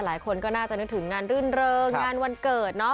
หลายคนก็น่าจะนึกถึงงานรื่นเริงงานวันเกิดเนาะ